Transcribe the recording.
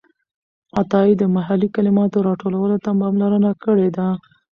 عطايي د محلي کلماتو راټولولو ته پاملرنه کړې ده.